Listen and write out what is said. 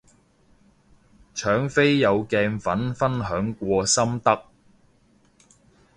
搶飛有鏡粉分享過心得